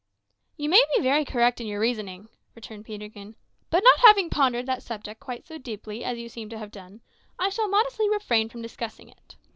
"You may be very correct in your reasoning," returned Peterkin; "but not having pondered that subject quite so deeply as you seem to have done, I shall modestly refrain from discussing it.